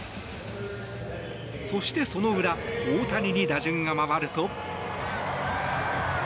そして、その裏大谷に打順が回ると。